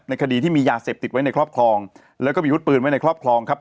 คดีที่มียาเสพติดไว้ในครอบครองแล้วก็มีวุฒิปืนไว้ในครอบครองครับ